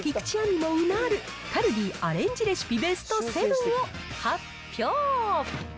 もうなる、カルディアレンジレシピベスト７を発表。